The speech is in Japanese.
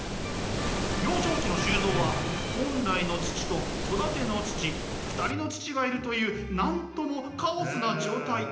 幼少期の周造は本来の父と育ての父２人の父がいるというなんともカオスな状態。